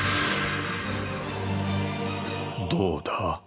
どうだ？